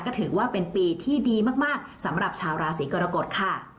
ก็ถือว่าเป็นปีที่ดีมากสำหรับชาวราศีกรกฎค่ะ